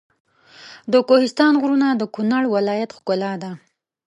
د کوهستان غرونه د کنړ ولایت ښکلا ده.